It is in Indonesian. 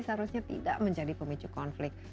seharusnya tidak menjadi pemicu konflik